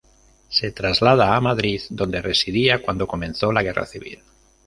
Se traslada a Madrid, donde residía cuando comenzó la Guerra Civil.